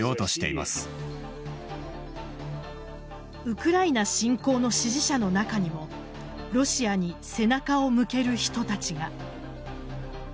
ウクライナ侵攻の支持者の中にもロシアに背中を向ける人たちが。